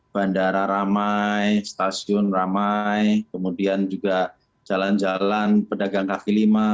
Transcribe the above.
bandara ramai stasiun ramai kemudian juga jalan jalan pedagang kaki lima